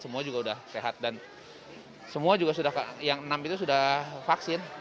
semua juga sudah sehat dan yang enam itu sudah vaksin